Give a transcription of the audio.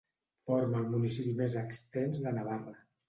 Forma el municipi més extens de Navarra.